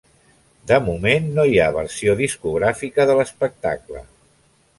De moment no hi ha versió discogràfica de l’espectacle.